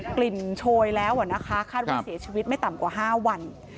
โชยแล้วนะคะคาดว่าเสียชีวิตไม่ต่ำกว่า๕วัน